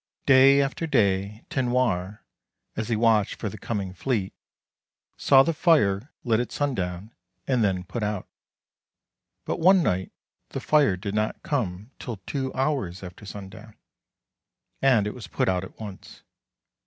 Day after day Tinoir, as he watched for the coming fieet, saw the fire lit at sundown, and then put out. But one night the fire did not come till two hours after sundown, and it was put out at once.